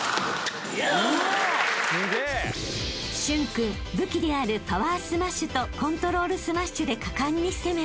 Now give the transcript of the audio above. ［駿君武器であるパワースマッシュとコントロールスマッシュで果敢に攻め］